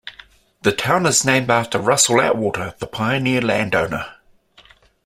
The town is named after Russell Attwater, the pioneer land owner.